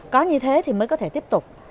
có như thế thì mới có thể tiếp tục